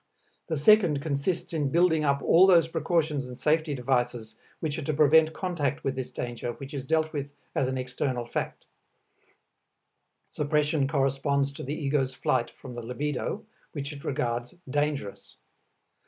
The second consists in building up all those precautions and safety devices which are to prevent contact with this danger which is dealt with as an external fact. Suppression corresponds to the ego's flight from the libido, which it regards dangerous.